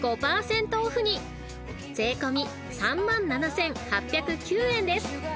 ［税込み３７，８０９円です］